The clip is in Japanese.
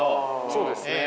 そうですね。